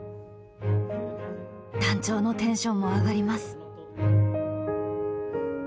団長のテンションも上がります。